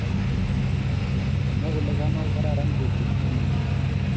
Komwa kole kamako kararan betut nenyin